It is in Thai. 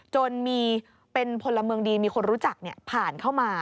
จนมีเป็นพลเมืองดีมีคนรู้จักผ่านเข้ามา